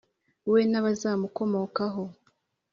we n’abazamukomokaho.